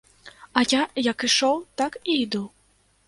А я, як ішоў, так і іду.